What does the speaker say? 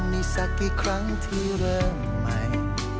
มีสักกี่ครั้งที่เริ่มใหม่